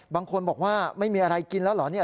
บางคนบอกว่าไม่มีอะไรกินแล้วเหรอเนี่ย